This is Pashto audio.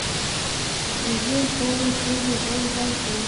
د زېړ پاڼو شور د ژوند غږ دی